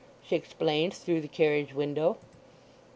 she explained through the carriage window.